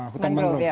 hutan mangrove ya